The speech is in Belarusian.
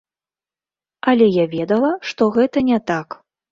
Але я ведала, што гэта не так.